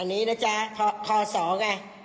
อันนี้นะจ๊ะพ๒อ่ะ